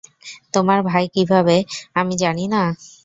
তোমার ভাই কি ভাবে আমি জানি না?